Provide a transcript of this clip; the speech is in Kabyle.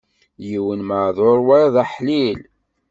Yiwen maɛduṛ, wayeḍ aḥlil.